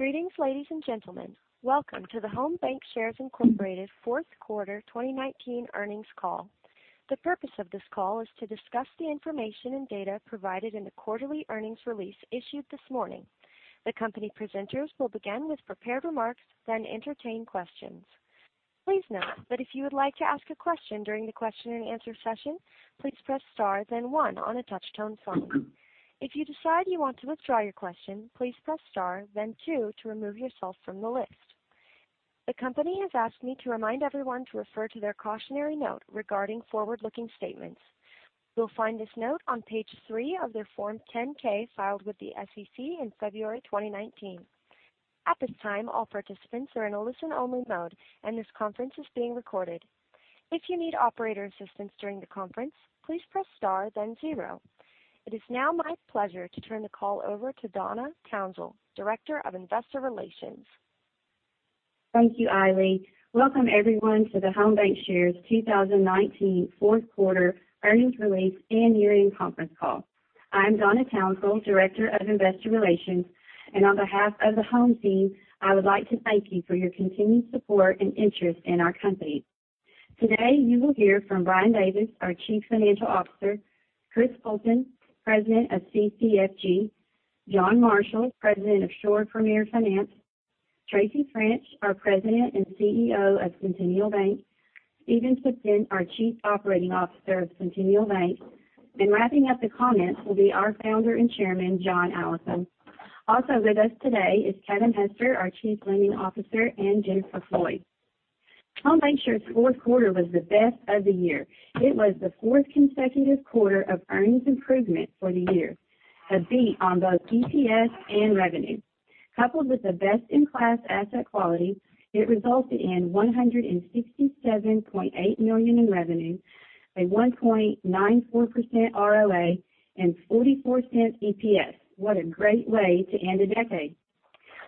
Greetings, ladies and gentlemen. Welcome to the Home Bancshares Incorporated fourth quarter 2019 earnings call. The purpose of this call is to discuss the information and data provided in the quarterly earnings release issued this morning. The company presenters will begin with prepared remarks, entertain questions. Please note that if you would like to ask a question during the question and answer session, please press star then one on a touch-tone phone. If you decide you want to withdraw your question, please press star then two to remove yourself from the list. The company has asked me to remind everyone to refer to their cautionary note regarding forward-looking statements. You'll find this note on page three of their Form 10-K filed with the SEC in February 2019. At this time, all participants are in a listen-only mode, this conference is being recorded. If you need operator assistance during the conference, please press star then zero. It is now my pleasure to turn the call over to Donna Townsell, Director of Investor Relations. Thank you, Ailey. Welcome everyone to the Home Bancshares 2019 fourth quarter earnings release and year-end conference call. I am Donna Townsell, Director of Investor Relations, and on behalf of the Home team, I would like to thank you for your continued support and interest in our company. Today, you will hear from Brian Davis, our Chief Financial Officer, Chris Poulton, President of CCFG, John Marshall, President of Shore Premier Finance, Tracy French, our President and CEO of Centennial Bank, Stephen Tipton, our Chief Operating Officer of Centennial Bank, and wrapping up the comments will be our Founder and Chairman, John Allison. Also with us today is Kevin Hester, our Chief Lending Officer, and Jennifer Floyd. Home Bancshares' fourth quarter was the best of the year. It was the fourth consecutive quarter of earnings improvement for the year, a beat on both EPS and revenue. Coupled with the best-in-class asset quality, it resulted in $167.8 million in revenue, a 1.94% ROA, and $0.44 EPS. What a great way to end a decade.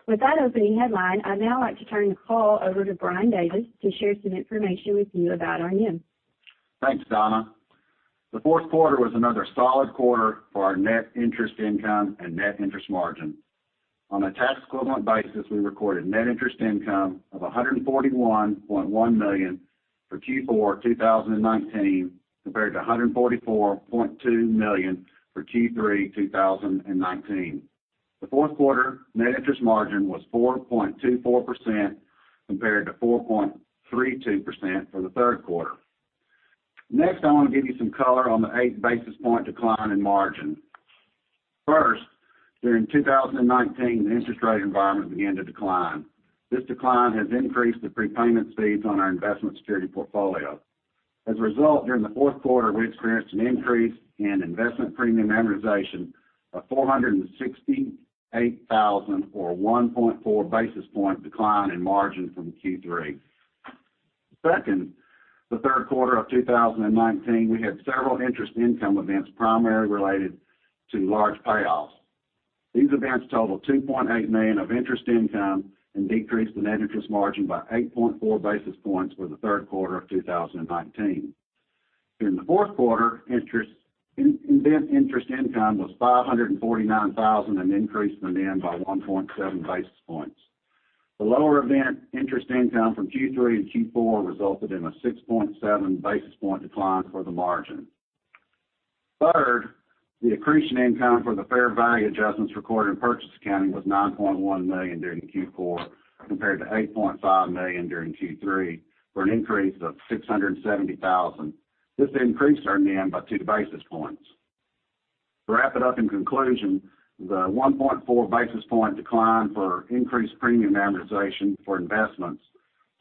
With that opening headline, I'd now like to turn the call over to Brian Davis to share some information with you about our NIM. Thanks, Donna. The fourth quarter was another solid quarter for our net interest income and net interest margin. On a tax-equivalent basis, we recorded net interest income of $141.1 million for Q4 2019, compared to $144.2 million for Q3 2019. The fourth quarter net interest margin was 4.24%, compared to 4.32% for the third quarter. Next, I want to give you some color on the eight basis point decline in margin. First, during 2019, the interest rate environment began to decline. This decline has increased the prepayment speeds on our investment security portfolio. As a result, during the fourth quarter, we experienced an increase in investment premium amortization of $468,000, or 1.4 basis point decline in margin from Q3. Second, the third quarter of 2019, we had several interest income events primarily related to large payoffs. These events total $2.8 million of interest income and decreased the net interest margin by 8.4 basis points for the third quarter of 2019. During the fourth quarter, event interest income was $549,000 and increased the NIM by 1.7 basis points. The lower event interest income from Q3 and Q4 resulted in a 6.7 basis point decline for the margin. Third, the accretion income for the fair value adjustments recorded in purchase accounting was $9.1 million during Q4, compared to $8.5 million during Q3, for an increase of $670,000. This increased our NIM by two basis points. To wrap it up in conclusion, the 1.4 basis point decline for increased premium amortization for investments,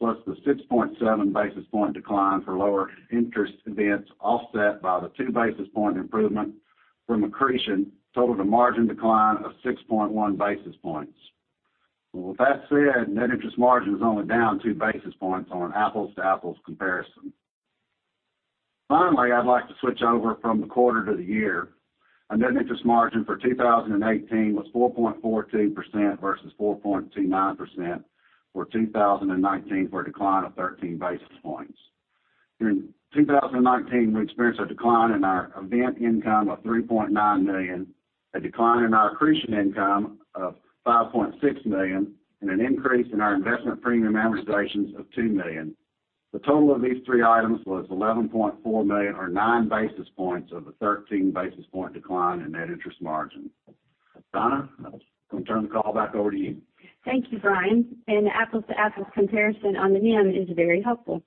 plus the 6.7 basis point decline for lower interest events offset by the two basis point improvement from accretion totaled a margin decline of 6.1 basis points. Well, with that said, net interest margin is only down two basis points on an apples-to-apples comparison. Finally, I'd like to switch over from the quarter to the year. Our net interest margin for 2018 was 4.42% versus 4.29% for 2019, for a decline of 13 basis points. During 2019, we experienced a decline in our event income of $3.9 million, a decline in our accretion income of $5.6 million, and an increase in our investment premium amortizations of $2 million. The total of these three items was $11.4 million, or nine basis points of the 13 basis point decline in net interest margin. Donna, I'll turn the call back over to you. Thank you, Brian. The apples-to-apples comparison on the NIM is very helpful.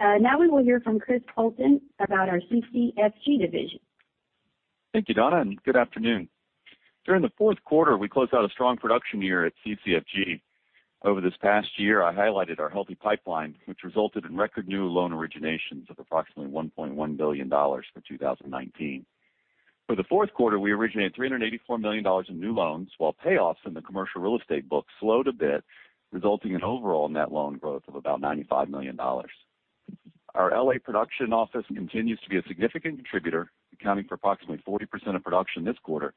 Now we will hear from Christopher Poulton about our CCFG division. Thank you, Donna. Good afternoon. During the fourth quarter, we closed out a strong production year at CCFG. Over this past year, I highlighted our healthy pipeline, which resulted in record new loan originations of approximately $1.1 billion for 2019. For the fourth quarter, we originated $384 million in new loans, while payoffs in the commercial real estate book slowed a bit, resulting in overall net loan growth of about $95 million. Our L.A. production office continues to be a significant contributor, accounting for approximately 40% of production this quarter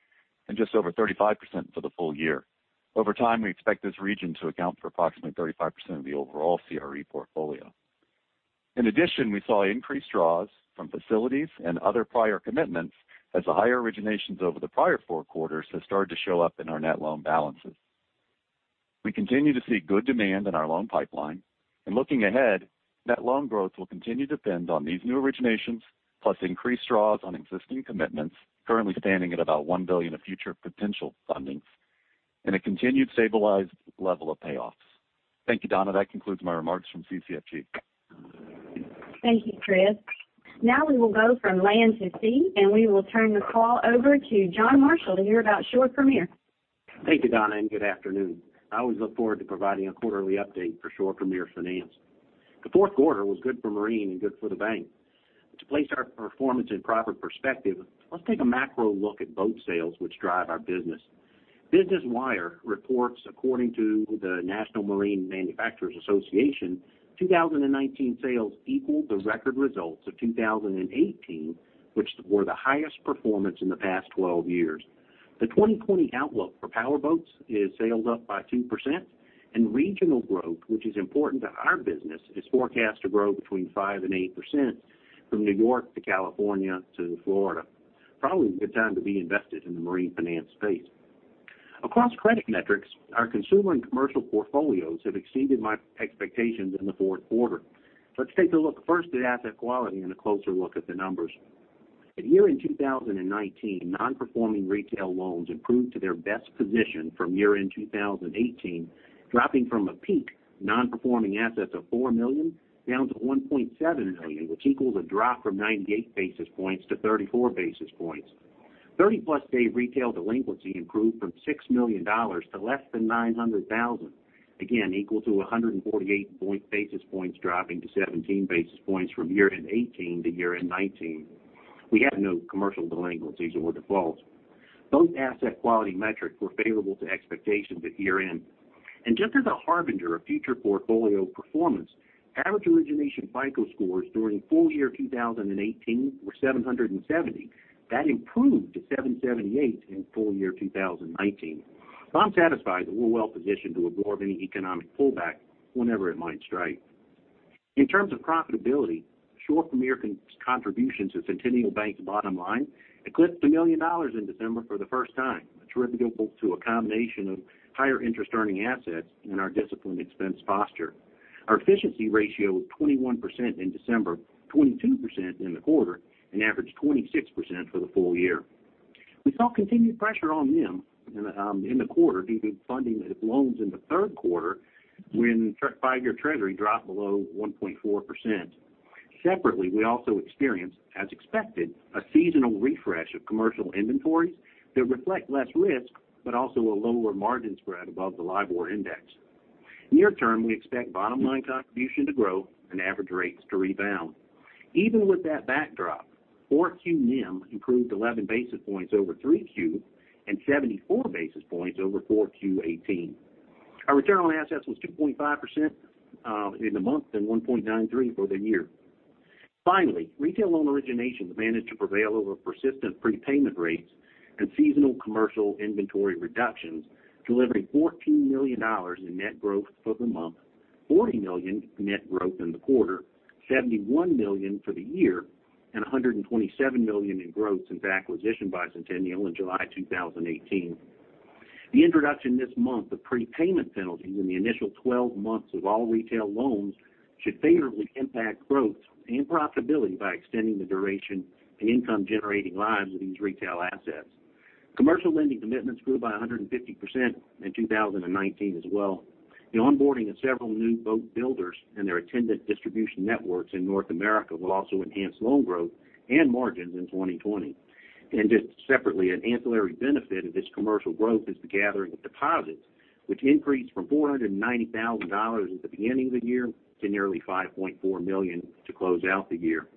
and just over 35% for the full year. Over time, we expect this region to account for approximately 35% of the overall CRE portfolio. In addition, we saw increased draws from facilities and other prior commitments as the higher originations over the prior four quarters have started to show up in our net loan balances. We continue to see good demand in our loan pipeline, and looking ahead, net loan growth will continue to depend on these new originations, plus increased draws on existing commitments, currently standing at about $1 billion of future potential fundings, and a continued stabilized level of payoffs. Thank you, Donna. That concludes my remarks from CCFG. Thank you, Chris. Now we will go from land to sea, and we will turn the call over to John Marshall to hear about Shore Premier. Thank you, Donna. Good afternoon. I always look forward to providing a quarterly update for Shore Premier Finance. The fourth quarter was good for Marine and good for the bank. To place our performance in proper perspective, let's take a macro look at boat sales, which drive our business. Business Wire reports, according to the National Marine Manufacturers Association, 2019 sales equaled the record results of 2018, which were the highest performance in the past 12 years. The 2020 outlook for powerboats is sales up by 2%, and regional growth, which is important to our business, is forecast to grow between 5% and 8% from New York to California to Florida. Probably a good time to be invested in the marine finance space. Across credit metrics, our consumer and commercial portfolios have exceeded my expectations in the fourth quarter. Let's take a look first at asset quality and a closer look at the numbers. At year-end 2019, non-performing retail loans improved to their best position from year-end 2018, dropping from a peak non-performing assets of $4 million down to $1.7 million, which equals a drop from 98 basis points to 34 basis points. Thirty-plus day retail delinquency improved from $6 million to less than $900,000, again equal to 148 basis points dropping to 17 basis points from year-end 2018 to year-end 2019. We have no commercial delinquencies or defaults. Both asset quality metrics were favorable to expectations at year-end. Just as a harbinger of future portfolio performance, average origination FICO scores during full year 2018 were 770. That improved to 778 in full year 2019. I'm satisfied that we're well positioned to absorb any economic pullback whenever it might strike. In terms of profitability, Shore Premier contributions to Centennial Bank's bottom line eclipsed $1 million in December for the first time, attributable to a combination of higher interest-earning assets and our disciplined expense posture. Our efficiency ratio was 21% in December, 22% in the quarter, and averaged 26% for the full year. We saw continued pressure on NIM in the quarter due to funding of loans in the third quarter when five-year Treasury dropped below 1.4%. Separately, we also experienced, as expected, a seasonal refresh of commercial inventories that reflect less risk, but also a lower margin spread above the LIBOR index. Near term, we expect bottom-line contribution to grow and average rates to rebound. Even with that backdrop, 4Q NIM improved 11 basis points over 3Q and 74 basis points over 4Q 2018. Our return on assets was 2.5% in the month and 1.93% for the year. Retail loan originations managed to prevail over persistent prepayment rates and seasonal commercial inventory reductions, delivering $14 million in net growth for the month, $40 million net growth in the quarter, $71 million for the year, and $127 million in growth since acquisition by Centennial in July 2018. The introduction this month of prepayment penalties in the initial 12 months of all retail loans should favorably impact growth and profitability by extending the duration and income-generating lives of these retail assets. Commercial lending commitments grew by 150% in 2019 as well. The onboarding of several new boat builders and their attendant distribution networks in North America will also enhance loan growth and margins in 2020. Just separately, an ancillary benefit of this commercial growth is the gathering of deposits, which increased from $490,000 at the beginning of the year to nearly $5.4 million to close out the year.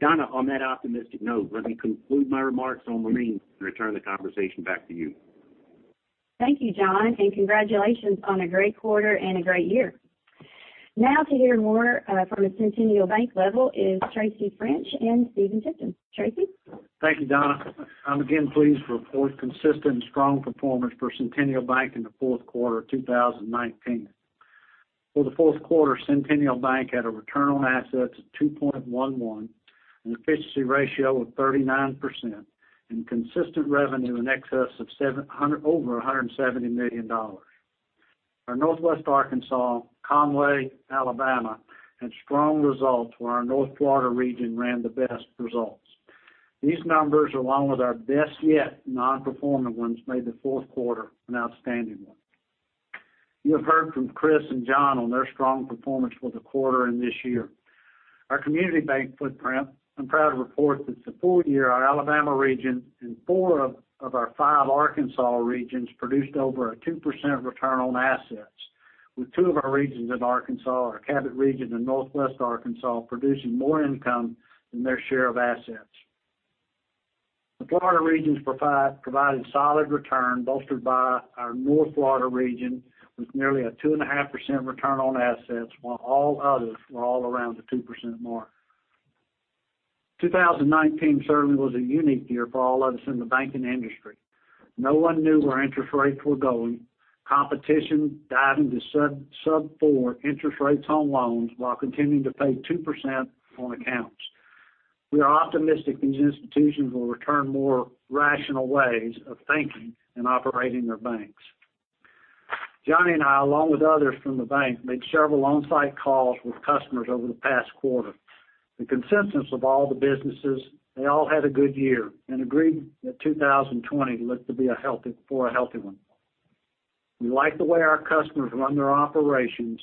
Donna, on that optimistic note, let me conclude my remarks on Marine and return the conversation back to you. Thank you, John, and congratulations on a great quarter and a great year. Now to hear more from a Centennial Bank level is Tracy French and Stephen Tipton. Tracy? Thank you, Donna. I'm again pleased to report consistent strong performance for Centennial Bank in the fourth quarter of 2019. For the fourth quarter, Centennial Bank had a return on assets of 2.11, an efficiency ratio of 39%, and consistent revenue in excess of over $170 million. Our Northwest Arkansas, Conway, Alabama, had strong results, where our North Florida region ran the best results. These numbers, along with our best yet non-performing ones, made the fourth quarter an outstanding one. You have heard from Chris and John on their strong performance for the quarter and this year. Our community bank footprint, I'm proud to report that for the full year, our Alabama region and four of our five Arkansas regions produced over a 2% return on assets, with two of our regions of Arkansas, our Cabot region and Northwest Arkansas, producing more income than their share of assets. The Florida regions provided solid return, bolstered by our North Florida region, with nearly a 2.5% return on assets, while all others were all around the 2% mark. 2019 certainly was a unique year for all of us in the banking industry. No one knew where interest rates were going. Competition diving to sub-4 interest rates on loans while continuing to pay 2% on accounts. We are optimistic these institutions will return more rational ways of thinking and operating their banks. Johnny and I, along with others from the bank, made several on-site calls with customers over the past quarter. The consensus of all the businesses, they all had a good year and agreed that 2020 looked to be for a healthy one. We like the way our customers run their operations.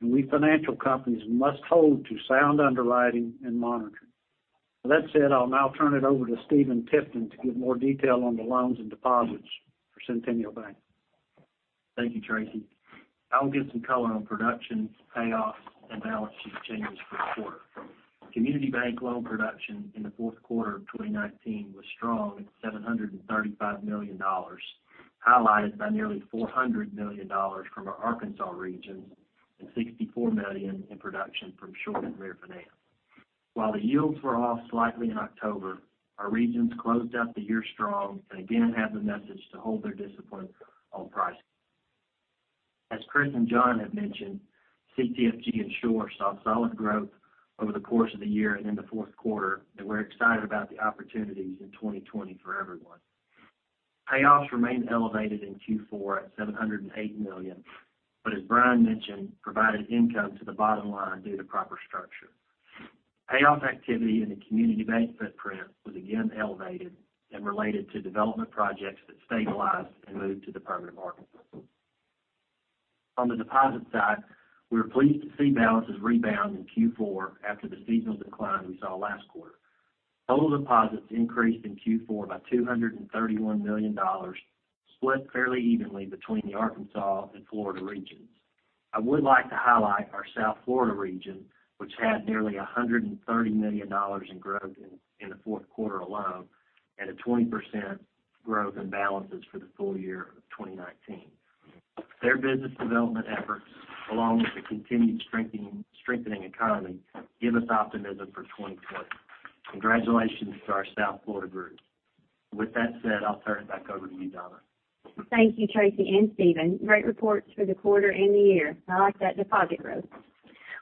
We financial companies must hold to sound underwriting and monitoring. With that said, I'll now turn it over to Stephen Tipton to give more detail on the loans and deposits for Centennial Bank. Thank you, Tracy. I will give some color on production, payoffs, and balance sheet changes for the quarter. Community Bank loan production in the fourth quarter of 2019 was strong at $735 million, highlighted by nearly $400 million from our Arkansas regions and $64 million in production from Shore Premier Finance. While the yields were off slightly in October, our regions closed out the year strong and again had the message to hold their discipline on pricing. As Chris and John have mentioned, CCFG and Shore saw solid growth over the course of the year and in the fourth quarter, and we're excited about the opportunities in 2020 for everyone. Payoffs remained elevated in Q4 at $708 million, but as Brian mentioned, provided income to the bottom line due to proper structure. Payoff activity in the community bank footprint was again elevated and related to development projects that stabilized and moved to the permanent market. On the deposit side, we were pleased to see balances rebound in Q4 after the seasonal decline we saw last quarter. Total deposits increased in Q4 by $231 million, split fairly evenly between the Arkansas and Florida regions. I would like to highlight our South Florida region, which had nearly $130 million in growth in the fourth quarter alone and a 20% growth in balances for the full year of 2019. Their business development efforts, along with the continued strengthening economy, give us optimism for 2020. Congratulations to our South Florida group. With that said, I'll turn it back over to you, Donna. Thank you, Tracy and Stephen. Great reports for the quarter and the year. I like that deposit growth.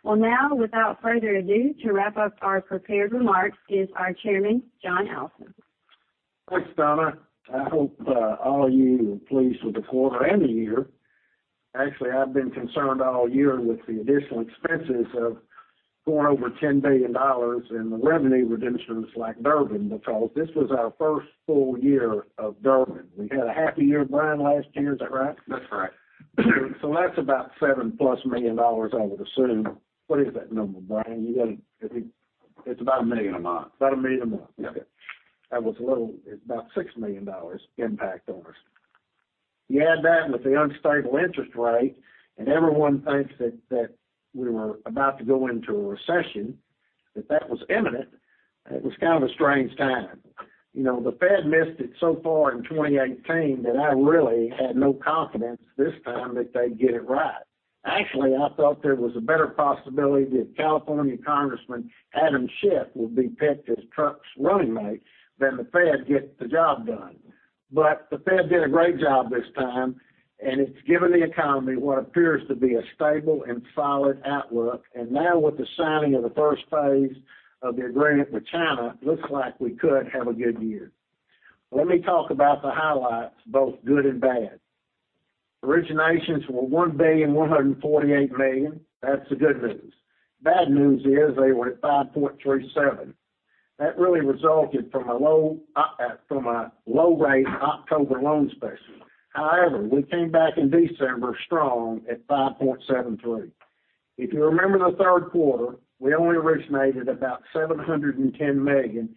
Well now, without further ado, to wrap up our prepared remarks is our chairman, John Allison. Thanks, Donna. I hope all of you are pleased with the quarter and the year. Actually, I've been concerned all year with the additional expenses of going over $10 billion in the revenue redemptions like Durbin, because this was our first full year of Durbin. We had a half a year, Brian, last year, is that right? That's right. That's about $7-plus million, I would assume. What is that number, Brian? You got a It's about $1 million a month. About $1 million a month. Yeah. Okay. That was a little, about $6 million impact on us. You add that with the unstable interest rate, and everyone thinks that we were about to go into a recession, that that was imminent, it was kind of a strange time. The Fed missed it so far in 2018 that I really had no confidence this time that they'd get it right. Actually, I thought there was a better possibility that California Congressman Adam Schiff would be picked as Trump's running mate than the Fed get the job done. The Fed did a great job this time, and it's given the economy what appears to be a stable and solid outlook. Now with the signing of the first phase of the agreement with China, looks like we could have a good year. Let me talk about the highlights, both good and bad. Originations were $1.148 billion. That's the good news. Bad news is they were at $5.37. That really resulted from a low rate October loan special. However, we came back in December strong at $5.73. If you remember the third quarter, we only originated about $710 million.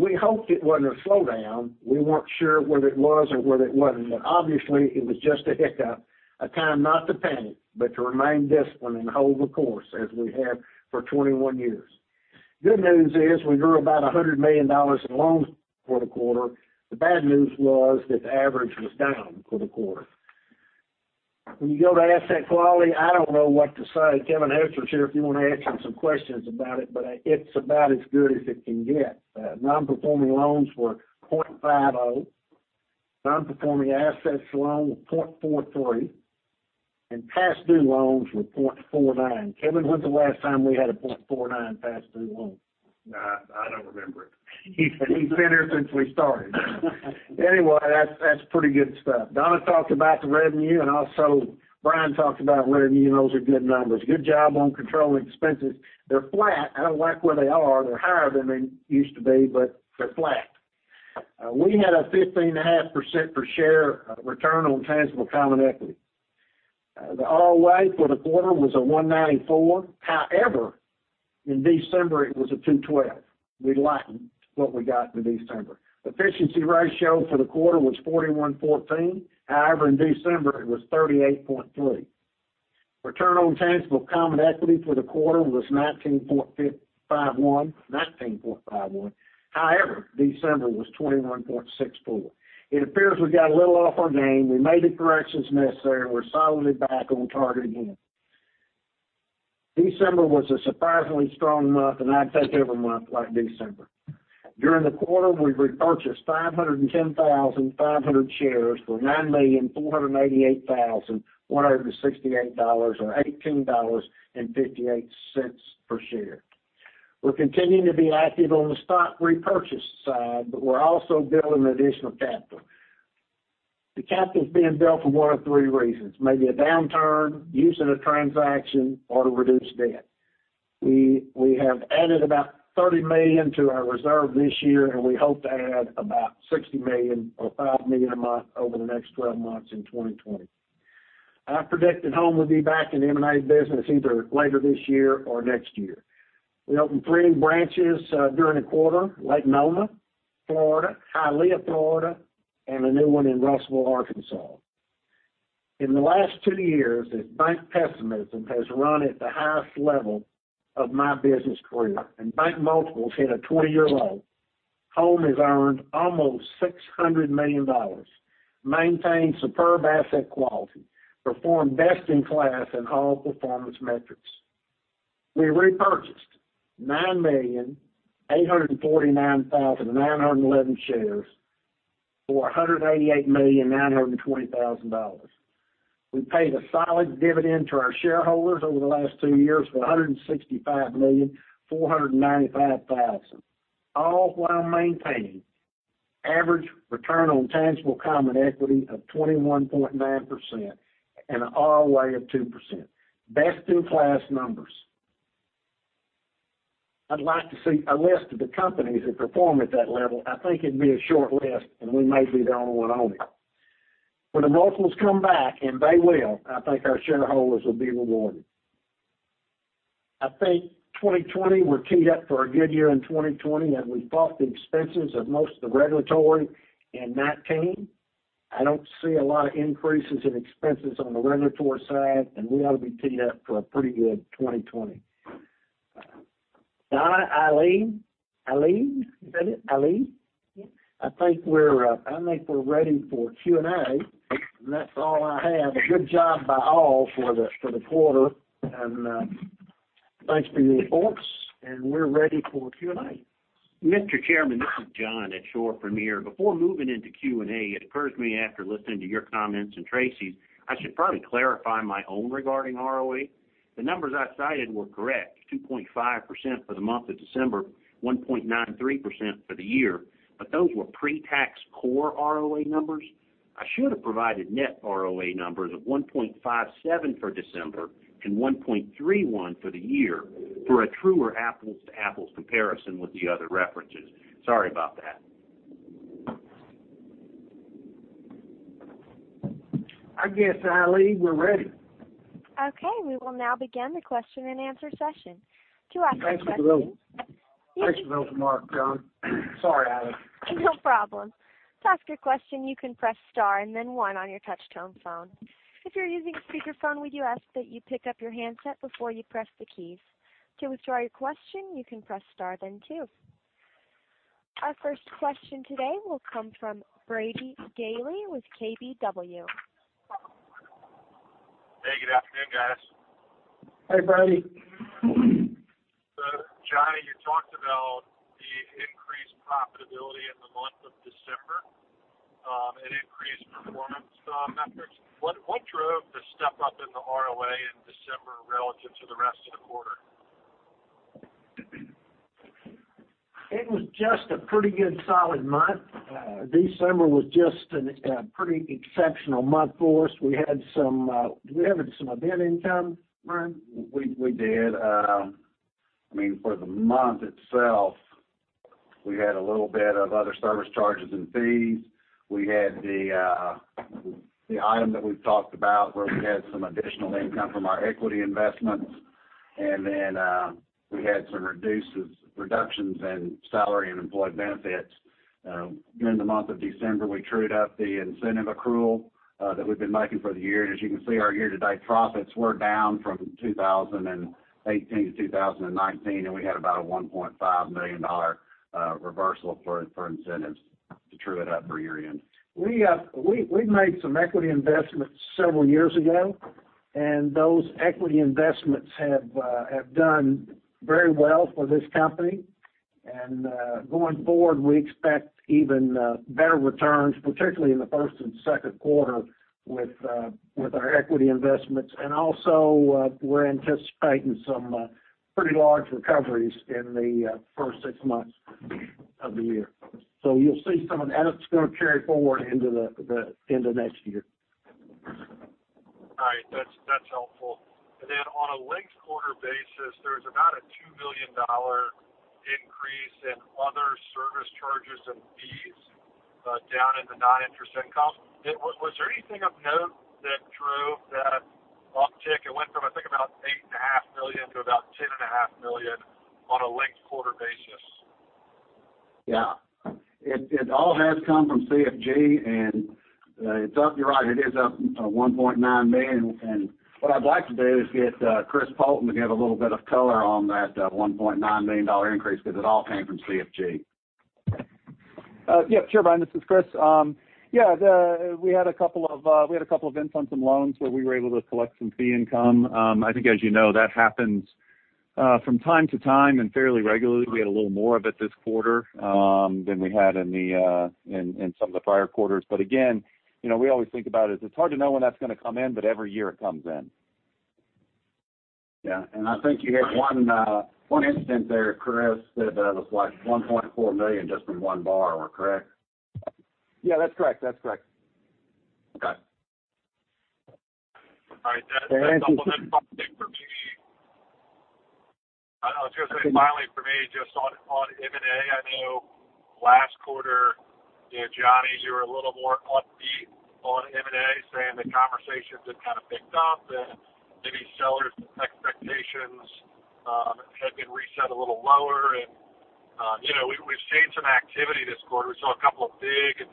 We hoped it wasn't a slowdown. We weren't sure whether it was or whether it wasn't. Obviously, it was just a hiccup, a time not to panic, but to remain disciplined and hold the course, as we have for 21 years. Good news is we grew about $100 million in loans for the quarter. The bad news was that the average was down for the quarter. When you go to asset quality, I don't know what to say. Kevin Hester's here if you want to ask him some questions about it. It's about as good as it can get. Non-performing loans were 0.50%. Non-performing assets loan was 0.43%, and past due loans were 0.49%. Kevin, when's the last time we had a 0.49% past due loan? I don't remember it. He's been here since we started. Anyway, that's pretty good stuff. Donna talked about the revenue, and also Brian talked about revenue, and those are good numbers. Good job on controlling expenses. They're flat. I don't like where they are. They're higher than they used to be, but they're flat. We had a 15.5% per share return on tangible common equity. The ROA for the quarter was a 194. However, in December, it was a 212. We likened what we got for December. Efficiency ratio for the quarter was 41.14. However, in December, it was 38.3. Return on tangible common equity for the quarter was 19.51. However, December was 21.64. It appears we got a little off our game. We made the corrections necessary, and we're solidly back on target again. December was a surprisingly strong month, and I'd take every month like December. During the quarter, we repurchased 510,500 shares for $9,488,168, or $18.58 per share. We're continuing to be active on the stock repurchase side, but we're also building additional capital. The capital is being built for one of three reasons, maybe a downturn, use in a transaction, or to reduce debt. We have added about $30 million to our reserve this year, and we hope to add about $60 million or $5 million a month over the next 12 months in 2020. I predict that Home will be back in the M&A business either later this year or next year. We opened three branches during the quarter, Lake Nona, Florida, Hialeah, Florida, and a new one in Russellville, Arkansas. In the last two years, as bank pessimism has run at the highest level of my business career and bank multiples hit a 20-year low, Home has earned almost $600 million, maintained superb asset quality, performed best in class in all performance metrics. We repurchased 9,849,911 shares for $188,920,000. We paid a solid dividend to our shareholders over the last two years for $165,495,000, all while maintaining average return on tangible common equity of 21.9% and an ROA of 2%. Best in class numbers. I'd like to see a list of the companies that perform at that level. I think it'd be a short list, and we may be the only one on it. When the multiples come back, and they will, I think our shareholders will be rewarded. I think 2020, we're teed up for a good year in 2020, as we've fought the expenses of most of the regulatory in 2019. I don't see a lot of increases in expenses on the regulatory side. We ought to be teed up for a pretty good 2020. John, Eileen. Ailey, is that it? Ailey? Yes. I think we're ready for Q&A. That's all I have. A good job by all for the quarter. Thanks for the reports. We're ready for Q&A. Mr. Chairman, this is John at Shore Premier. Before moving into Q&A, it occurs to me after listening to your comments and Tracy's, I should probably clarify my own regarding ROA. The numbers I cited were correct, 2.5% for the month of December, 1.93% for the year, but those were pre-tax core ROA numbers. I should have provided net ROA numbers of 1.57% for December and 1.31% for the year for a truer apples to apples comparison with the other references. Sorry about that. I guess, Ailey, we're ready. Okay, we will now begin the question and answer session. Thanks for the little remark, John. Sorry, Ailey. No problem. To ask your question, you can press star and then one on your touchtone phone. If you're using a speakerphone, we do ask that you pick up your handset before you press the keys. To withdraw your question, you can press star, then two. Our first question today will come from Brady Gailey with KBW. Hey, good afternoon, guys. Hey, Brady. John, you talked about the increased profitability in the month of December, and increased performance metrics. What drove the step up in the ROA in December relative to the rest of the quarter? It was just a pretty good solid month. December was just a pretty exceptional month for us. Did we have some event income, Brian? We did. For the month itself, we had a little bit of other service charges and fees. We had the item that we've talked about where we had some additional income from our equity investments, and then we had some reductions in salary and employee benefits. During the month of December, we trued up the incentive accrual that we've been making for the year. As you can see, our year-to-date profits were down from 2018 to 2019, and we had about a $1.5 million reversal for incentives to true it up for year-end. We made some equity investments several years ago, and those equity investments have done very well for this company. Going forward, we expect even better returns, particularly in the first and second quarter with our equity investments. Also, we're anticipating some pretty large recoveries in the first six months of the year. You'll see some of that. It's going to carry forward into next year. All right. That's helpful. Then on a linked quarter basis, there's about a $2 million increase in other service charges and fees, down in the non-interest income. Was there anything of note that drove that off-tick? It went from, I think about $8.5 million to about $10.5 million on a linked quarter basis. Yeah. It all has come from CFG, and it's up. You're right, it is up $1.9 million. What I'd like to do is get Chris Poulton to give a little bit of color on that $1.9 million increase because it all came from CFG. Yeah, sure Brian, this is Chris. Yeah, we had a couple of instances on loans where we were able to collect some fee income. I think as you know, that happens from time to time and fairly regularly. We had a little more of it this quarter, than we had in some of the prior quarters. Again, we always think about it as, it's hard to know when that's going to come in, but every year it comes in. Yeah. I think you had one instance there, Chris, that was like $1.4 million just from one borrower. Correct? Yeah, that's correct. Okay. All right. That's all for me. I was going to say finally for me, just on M&A, I know last quarter, Johnny, you were a little more upbeat on M&A, saying the conversations had kind of picked up and maybe sellers' expectations had been reset a little lower. We've seen some activity this quarter. We saw a couple of big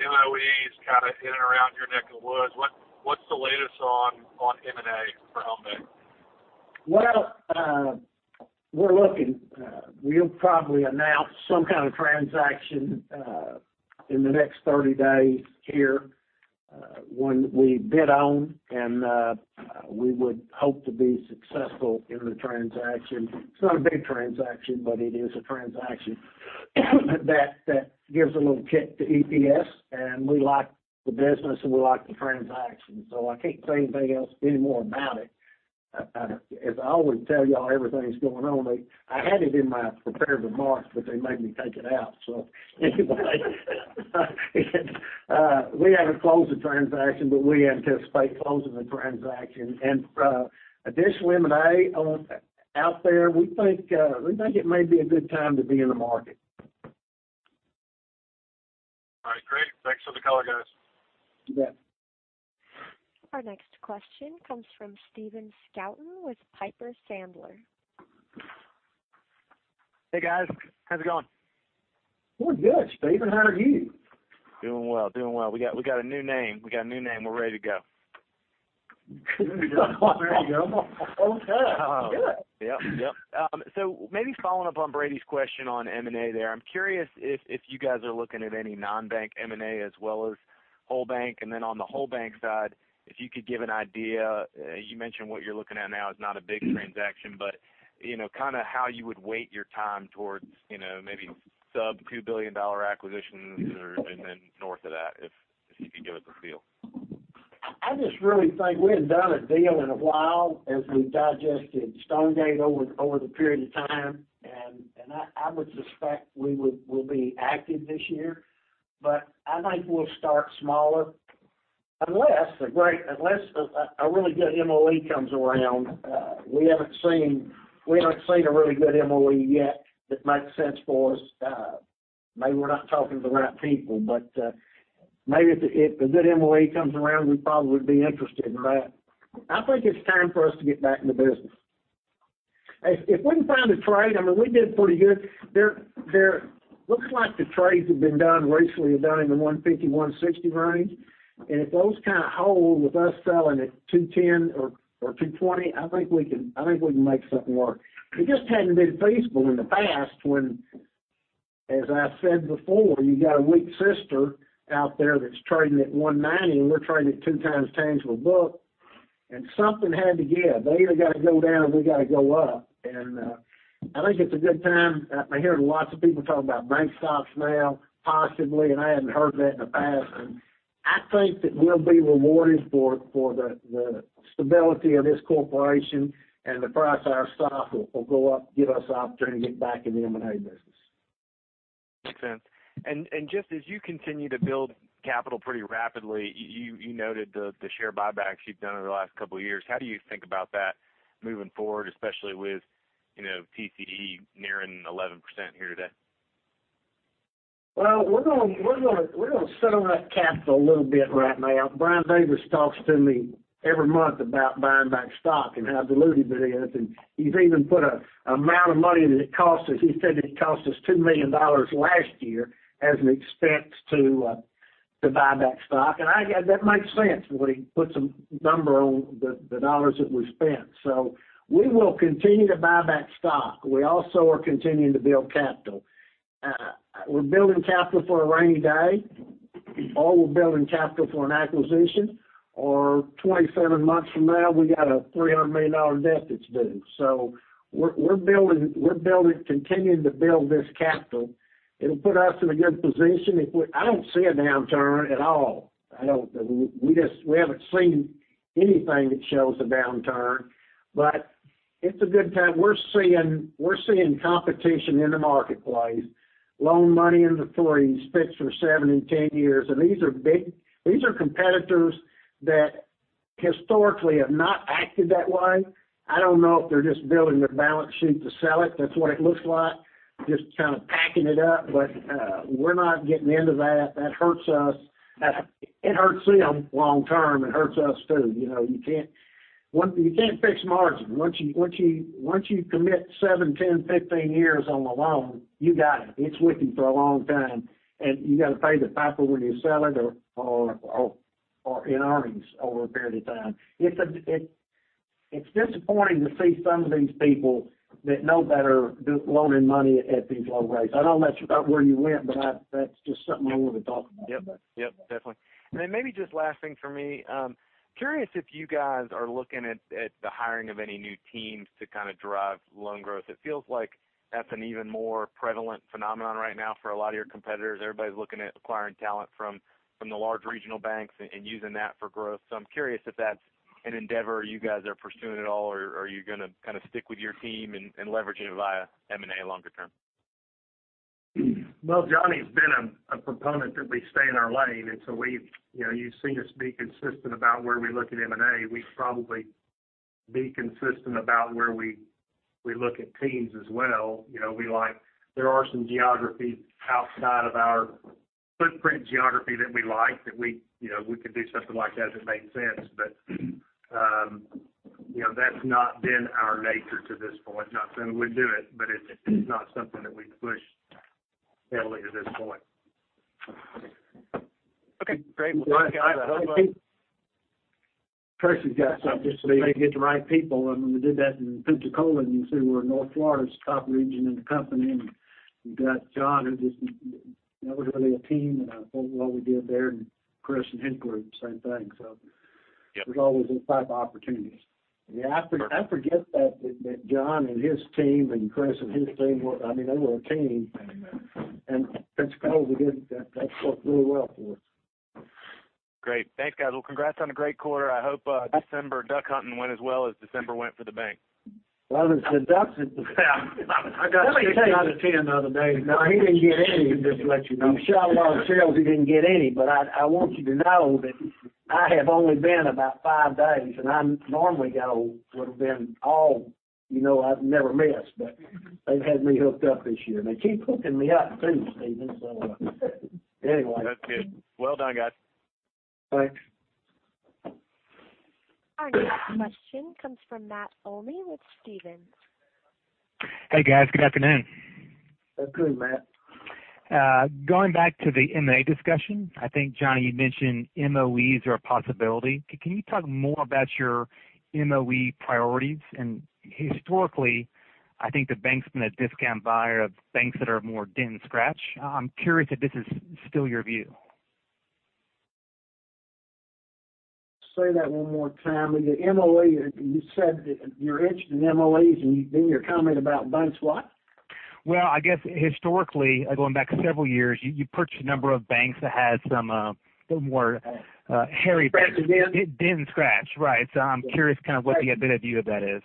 MOEs kind of in and around your neck of the woods. What's the latest on M&A for Home Bancshares? Well, we're looking. We'll probably announce some kind of transaction in the next 30 days here, one we bid on, and we would hope to be successful in the transaction. It's not a big transaction, but it is a transaction that gives a little kick to EPS, and we like the business, and we like the transaction. I can't say anything else anymore about it. As I always tell you all, everything's going on. I had it in my prepared remarks, but they made me take it out. Anyway, we haven't closed the transaction, but we anticipate closing the transaction. There's M&A out there. We think it may be a good time to be in the market. All right, great. Thanks for the color, guys. You bet. Our next question comes from Stephen Scouten with Piper Sandler. Hey, guys. How's it going? We're good, Stephen. How are you? Doing well. We got a new name. We're ready to go. There you go. Okay, good. Yep. Maybe following up on Brady's question on M&A there, I'm curious if you guys are looking at any non-bank M&A as well as whole bank. Then on the whole bank side, if you could give an idea, you mentioned what you're looking at now is not a big transaction, but kind of how you would weight your time towards maybe sub $2 billion acquisitions or, then north of that, if you could give it the feel. I just really think we haven't done a deal in a while as we've digested Stonegate over the period of time. I would suspect we'll be active this year, but I think we'll start smaller. Unless a really good MOE comes around. We haven't seen a really good MOE yet that makes sense for us. Maybe we're not talking to the right people, but maybe if a good MOE comes around, we probably would be interested in that. I think it's time for us to get back in the business. If we can find a trade, I mean, we did pretty good. Looks like the trades that have been done recently have been in the 150-160 range. If those kind of hold with us selling at 210 or 220, I think we can make something work. It just hadn't been feasible in the past when, as I said before, you got a weak sister out there that's trading at $190, and we're trading at 2x tangible book, and something had to give. They either got to go down, or we got to go up. I think it's a good time. I'm hearing lots of people talk about bank stocks now, possibly, and I hadn't heard that in the past. I think that we'll be rewarded for the stability of this corporation and the price of our stock will go up, give us an opportunity to get back in the M&A business. Makes sense. Just as you continue to build capital pretty rapidly, you noted the share buybacks you've done over the last couple of years. How do you think about that moving forward, especially with TCE nearing 11% here today? We're going to sit on that capital a little bit right now. Brian Davis talks to me every month about buying back stock and how dilutive it is, and he's even put an amount of money that it cost us. He said it cost us $2 million last year as an expense to buy back stock. That makes sense when he puts a number on the dollars that we spent. We will continue to buy back stock. We also are continuing to build capital. We're building capital for a rainy day, or we're building capital for an acquisition, or 27 months from now, we got a $300 million debt that's due. We're continuing to build this capital. It'll put us in a good position. I don't see a downturn at all. We haven't seen anything that shows a downturn, but it's a good time. We're seeing competition in the marketplace, loan money in the 40s fixed for seven and 10 years, and these are competitors that historically have not acted that way. I don't know if they're just building their balance sheet to sell it. That's what it looks like, just kind of packing it up. We're not getting into that. That hurts us. It hurts them long term. It hurts us too. You can't fix margin. Once you commit seven, 10, 15 years on a loan, you got it. It's with you for a long time, and you got to pay the piper when you sell it or in earnings over a period of time. It's disappointing to see some of these people that know better loaning money at these low rates. I don't know about where you went, but that's just something I wanted to talk about. Yep. Definitely. Maybe just last thing for me. Curious if you guys are looking at the hiring of any new teams to drive loan growth. It feels like that's an even more prevalent phenomenon right now for a lot of your competitors. Everybody's looking at acquiring talent from the large regional banks and using that for growth. I'm curious if that's an endeavor you guys are pursuing at all, or are you going to stick with your team and leverage it via M&A longer term? Well, Johnny's been a proponent that we stay in our lane. You've seen us be consistent about where we look at M&A. We'd probably be consistent about where we look at teams as well. There are some geographies outside of our footprint geography that we like that we could do something like that, if it made sense. That's not been our nature to this point. We're not saying we wouldn't do it. It's not something that we push heavily at this point. Okay, great. I think Chris has got something to say. If they get the right people, and when we did that in Pensacola, and you see we're North Florida's top region in the company, and we've got John, that was really a team, and I thought what we did there, and Chris and his group, same thing. Yep there's always those type of opportunities. Yeah, I forget that John and his team, and Chris and his team, they were a team. Pensacola, that worked really well for us. Great. Thanks, guys. Well, congrats on a great quarter. I hope December duck hunting went as well as December went for the bank. Well, the ducks- I got six out of 10 the other day. No, he didn't get any, just to let you know. He shot a lot of shells. He didn't get any. I want you to know that I have only been about five days, and I normally would've been all. I've never missed, but they've had me hooked up this year. They keep hooking me up too, Stephen. Anyway. That's good. Well done, guys. Thanks. Our next question comes from Matt Olney with Stephens. Hey, guys. Good afternoon. That's good, Matt. Going back to the M&A discussion, I think, Johnny, you mentioned MOEs are a possibility. Can you talk more about your MOE priorities? Historically, I think the bank's been a discount buyer of banks that are more dent than scratch. I'm curious if this is still your view. Say that one more time. You said that you're interested in MOEs, and then your comment about banks what? Well, I guess historically, going back several years, you purchased a number of banks that had some more, hairy- Scratch and dent? Dent and scratch, right. I'm curious kind of what the view of that is?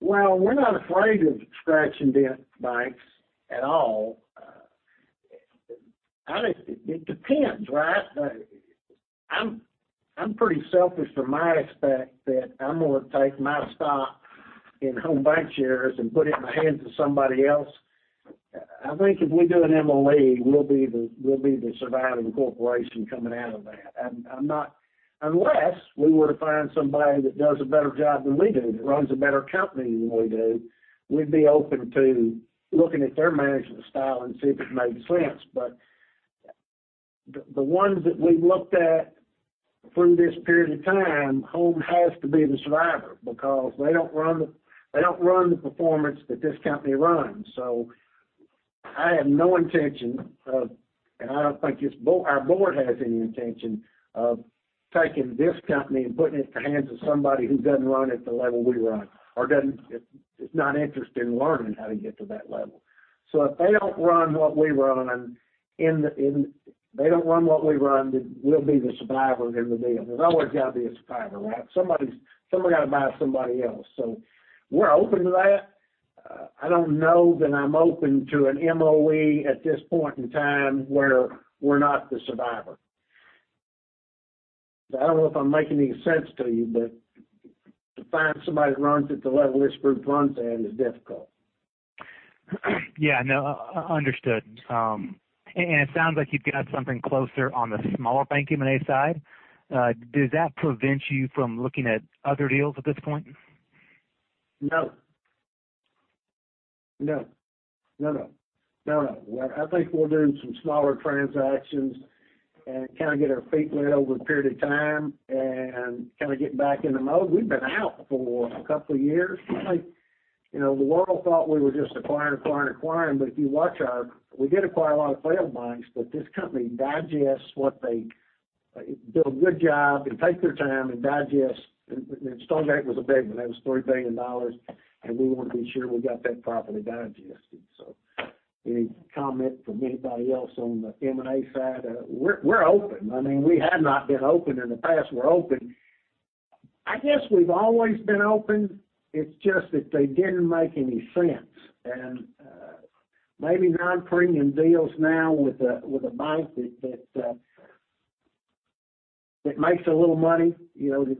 Well, we're not afraid of scratch and dent banks at all. It depends. I'm pretty selfish from my aspect that I'm going to take my stock in Home Bancshares and put it in the hands of somebody else. I think if we do an MOE, we'll be the surviving corporation coming out of that. Unless we were to find somebody that does a better job than we do, that runs a better company than we do, we'd be open to looking at their management style and see if it made sense. The ones that we've looked at through this period of time, Home has to be the survivor because they don't run the performance that this company runs. I have no intention of, and I don't think our board has any intention of taking this company and putting it in the hands of somebody who doesn't run at the level we run, or is not interested in learning how to get to that level. If they don't run what we run, then we'll be the survivor in the deal. There's always got to be a survivor, right? Somebody's got to buy somebody else. We're open to that. I don't know that I'm open to an MOE at this point in time where we're not the survivor. I don't know if I'm making any sense to you, but to find somebody that runs at the level this group runs at is difficult. Yeah, no, understood. It sounds like you've got something closer on the smaller bank M&A side. Does that prevent you from looking at other deals at this point? No. I think we're doing some smaller transactions and kind of get our feet wet over a period of time and kind of get back in the mode. We've been out for a couple of years. The world thought we were just acquiring, acquiring. If you watch, we did acquire a lot of failed banks, but this company digests. Do a good job and take their time and digest. Stonegate Bank was a big one. That was $3 billion, and we wanted to be sure we got that properly digested. Any comment from anybody else on the M&A side? We're open. We have not been open in the past. We're open. I guess we've always been open. It's just that they didn't make any sense. Maybe non-premium deals now with a bank that makes a little money. It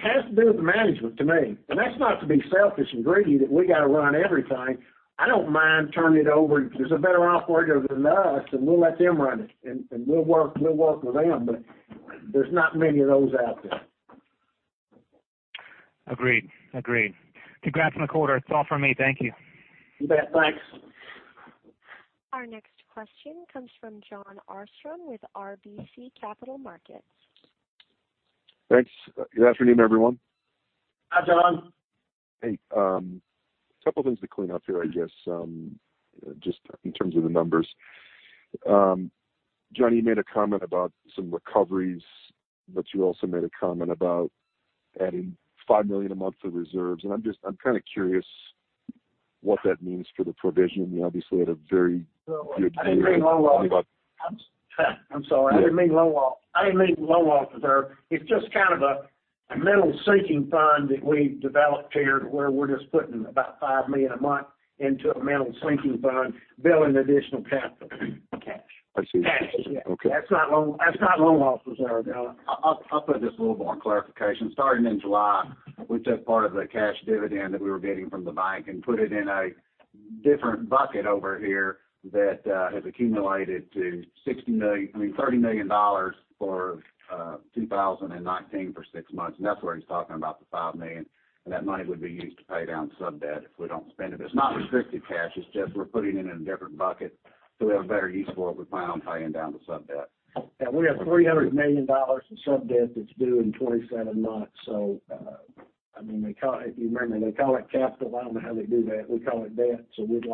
has to do with the management to me. That's not to be selfish and greedy that we got to run everything. I don't mind turning it over. If there's a better operator than us, then we'll let them run it, and we'll work with them. There's not many of those out there. Agreed. Congrats on the quarter. It's all for me. Thank you. You bet, thanks. Our next question comes from Jon Arfstrom with RBC Capital Markets. Thanks. Good afternoon, everyone. Hi, John. Hey. A couple of things to clean up here, I guess, just in terms of the numbers. John, you made a comment about some recoveries, but you also made a comment about adding $5 million a month of reserves. I'm kind of curious what that means for the provision. You obviously had a very good year. I'm sorry. I didn't mean loan loss reserve. It's just kind of a mental sinking fund that we've developed here, where we're just putting about $5 million a month into a mental sinking fund, building additional capital. Cash. I see. Cash. Yeah. Okay. That's not loan loss reserve, John. I'll put just a little more clarification. Starting in July, we took part of the cash dividend that we were getting from the bank and put it in a different bucket over here that has accumulated to $30 million for 2019 for 6 months, and that's where he's talking about the $5 million, and that money would be used to pay down sub-debt if we don't spend it. It's not restricted cash. It's just we're putting it in a different bucket so we have a better use for it. We plan on paying down the sub-debt. Yeah, we have $300 million in sub-debt that's due in 27 months. If you remember, they call it capital. I don't know how they do that. We call it debt. We'd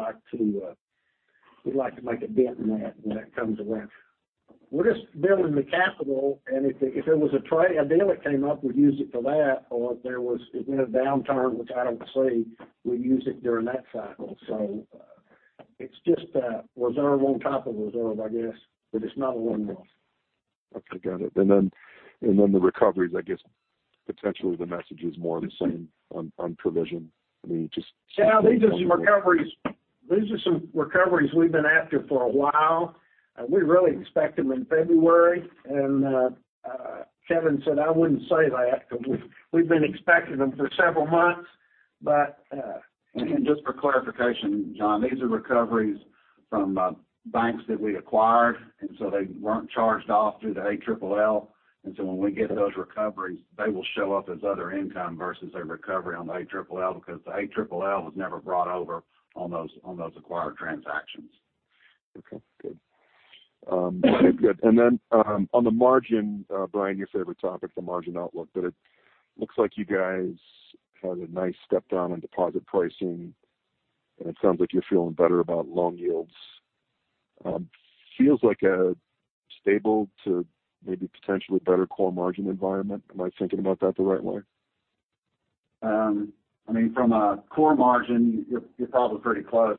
like to make a dent in that when that comes around. We're just building the capital, and if there was a trade, a deal that came up, we'd use it for that, or if we're in a downturn, which I don't see, we'd use it during that cycle. It's just a reserve on top of reserve, I guess, but it's not a loan loss. Okay, got it. The recoveries, I guess, potentially the message is more of the same on provision. John, these are some recoveries we've been after for a while. We really expect them in February, and Kevin said, "I wouldn't say that," because we've been expecting them for several months. Just for clarification, John, these are recoveries from banks that we acquired, they weren't charged off through the ALLL. When we get those recoveries, they will show up as other income versus a recovery on the ALLL because the ALLL was never brought over on those acquired transactions. Okay, good. Then on the margin, Brian, your favorite topic, the margin outlook. It looks like you guys had a nice step down in deposit pricing. It sounds like you're feeling better about loan yields. Feels like a stable to maybe potentially better core margin environment. Am I thinking about that the right way? From a core margin, you're probably pretty close.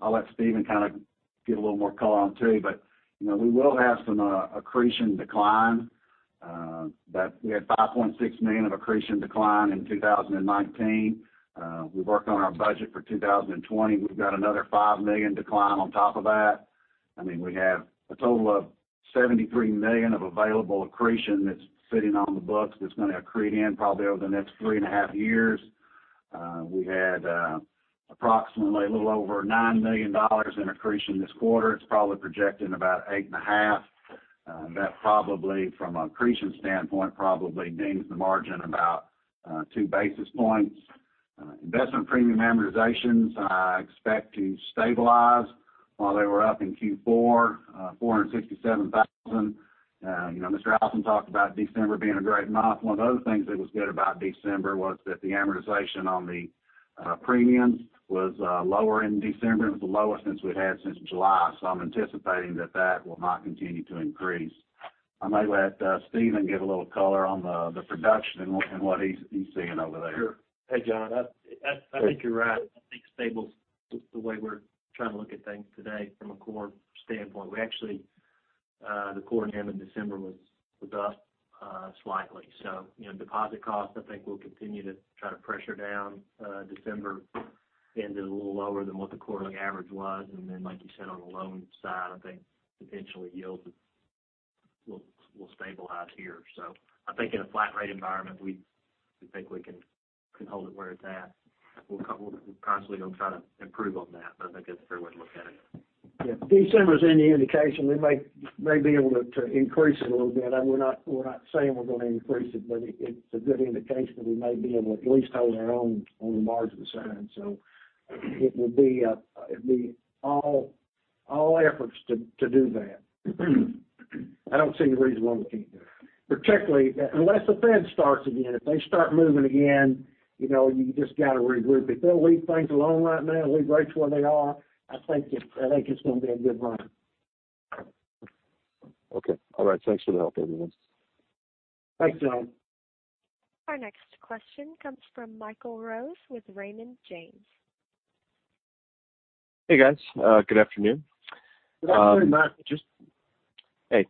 I'll let Stephen kind of give a little more color on it, too, but we will have some accretion decline. We had $5.6 million of accretion decline in 2019. We worked on our budget for 2020. We've got another $5 million decline on top of that. We have a total of $73 million of available accretion that's sitting on the books that's going to accrete in probably over the next three and a half years. We had approximately a little over $9 million in accretion this quarter. It's probably projecting about $8.5 million. That probably, from an accretion standpoint, probably dings the margin about 2 basis points. Investment premium amortizations I expect to stabilize. While they were up in Q4, $467,000. Mr. Allison talked about December being a great month. One of the other things that was good about December was that the amortization on the premiums was lower in December. It was the lowest since we'd had since July. I'm anticipating that that will not continue to increase. I may let Stephen give a little color on the production and what he's seeing over there. Sure. Hey, Jon. I think you're right. I think stable is the way we're trying to look at things today from a core standpoint. Actually, the quarter end of December was up slightly. Deposit costs, I think we'll continue to try to pressure down. December ended a little lower than what the quarterly average was. Then, like you said, on the loan side, I think potentially yields will stabilize here. I think in a flat rate environment, we think we can hold it where it's at. We're constantly going to try to improve on that, but I think that's a fair way to look at it. Yeah. December's any indication, we may be able to increase it a little bit. We're not saying we're going to increase it's a good indication that we may be able to at least hold our own on the margin side. It would be all efforts to do that. I don't see any reason why we can't do it. Particularly, unless the Fed starts again. If they start moving again, you just got to regroup. If they'll leave things alone right now, leave rates where they are, I think it's going to be a good run. Okay. All right. Thanks for the help, everyone. Thanks, John. Our next question comes from Michael Rose with Raymond James. Hey, guys. Good afternoon. Good afternoon, Mike. Hey.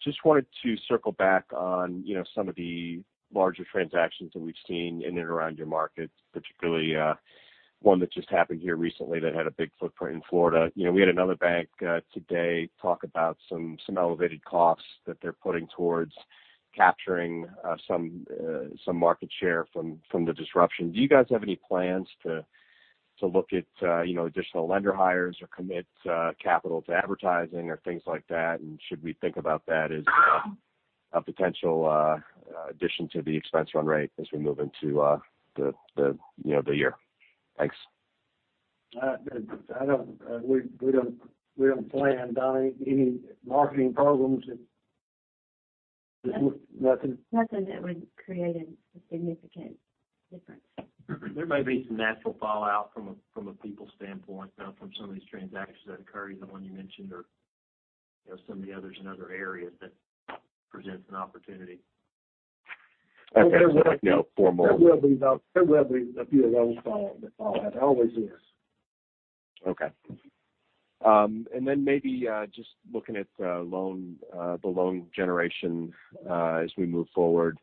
Just wanted to circle back on some of the larger transactions that we've seen in and around your market, particularly one that just happened here recently that had a big footprint in Florida. We had another bank today talk about some elevated costs that they're putting towards capturing some market share from the disruption. Do you guys have any plans to look at additional lender hires or commit capital to advertising or things like that? Should we think about that as a potential addition to the expense run rate as we move into the year? Thanks. We don't plan on any marketing programs. Nothing. Nothing that would create a significant difference. There may be some natural fallout from a people standpoint now from some of these transactions that occurred, the one you mentioned or some of the others in other areas that presents an opportunity. Okay. Just four more. There will be a few of those fallout. There always is. Okay. Maybe just looking at the loan generation as we move forward.